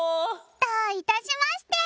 どういたしまして。